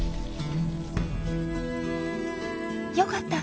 よかった！